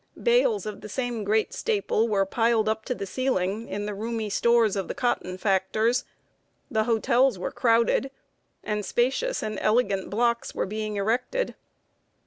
Bales of the same great staple were piled up to the ceiling in the roomy stores of the cotton factors; the hotels were crowded, and spacious and elegant blocks were being erected.